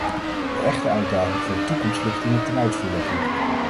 De echte uitdaging voor de toekomst ligt in de tenuitvoerlegging.